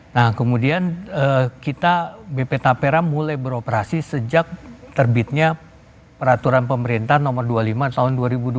nah kemudian kita bp tapera mulai beroperasi sejak terbitnya peraturan pemerintah nomor dua puluh lima tahun dua ribu dua puluh